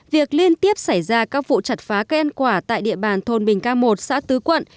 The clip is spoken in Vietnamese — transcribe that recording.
việc liên tiếp xảy ra các vụ chặt phá cây ăn quả tại địa bàn thôn bình ca một xã tứ quận